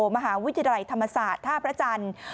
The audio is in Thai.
มหาวิทยาลัยธรรมศาสตร์ท่าพระจันทร์